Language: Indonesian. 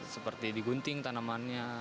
seperti digunting tanamannya